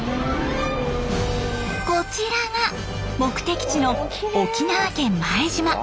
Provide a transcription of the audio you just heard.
こちらが目的地の沖縄県前島。